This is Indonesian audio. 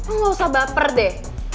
lo gak usah baper deh